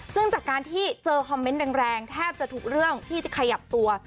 ซึ่งจากการที่เจอคอมเมนต์แรงแทบจะทุกเรื่องที่จะขยับตัว